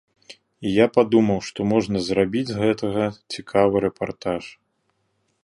І я падумаў, што можна зрабіць з гэтага цікавы рэпартаж.